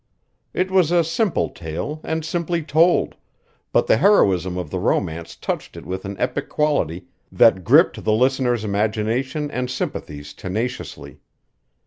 It was a simple tale and simply told, but the heroism of the romance touched it with an epic quality that gripped the listener's imagination and sympathies tenaciously.